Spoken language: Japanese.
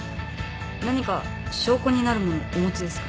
何か証拠になるものお持ちですか？